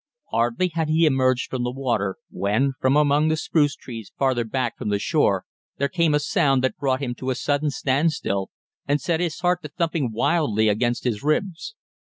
Hardly had he emerged from the water, when, from among the spruce trees farther back from the shore, there came a sound that brought him to a sudden standstill and set his heart to thumping wildly against his ribs.